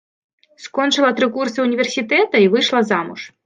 Скончыла тры курсы ўніверсітэта і выйшла замуж.